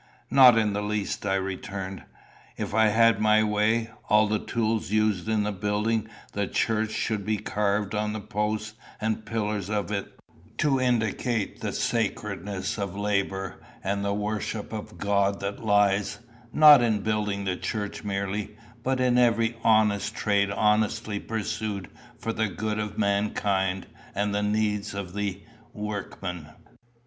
"Not in the least," I returned. "If I had my way, all the tools used in building the church should be carved on the posts and pillars of it, to indicate the sacredness of labour, and the worship of God that lies, not in building the church merely, but in every honest trade honestly pursued for the good of mankind and the need of the workman.